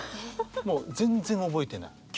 もう全然覚えてない。